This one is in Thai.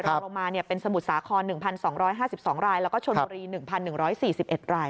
ลงมาเป็นสมุทรสาคร๑๒๕๒รายแล้วก็ชนบุรี๑๑๔๑ราย